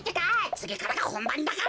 つぎからがほんばんだから！